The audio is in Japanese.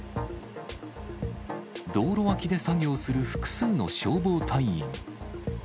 道路脇で作業する複数の消防隊員。